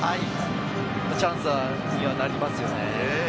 チャンスになりますよね。